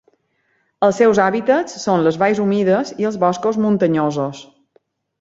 Els seus hàbitats són les valls humides i els boscos muntanyosos.